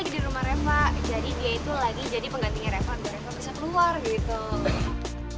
dia juga belum mau